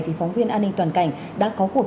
thì phóng viên an ninh toàn cảnh đã có cuộc